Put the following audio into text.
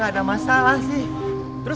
tidak ada yang tahu